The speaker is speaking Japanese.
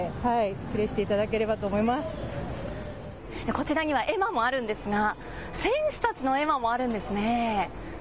こちらには絵馬もあるんですが選手たちの絵馬もあるんですね。